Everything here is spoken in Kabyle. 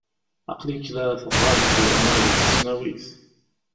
Aqel-ik la teɣɣareḍ yerna deg tesnawit ?